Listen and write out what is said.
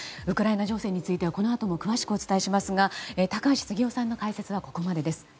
ウクライナ情勢についてはこのあともお伝えしますが高橋杉雄さんの解説はここまでです。